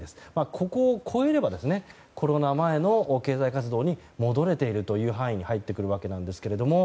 ここを越えればコロナ前の経済活動に戻れているという範囲に入ってくるわけですけれども。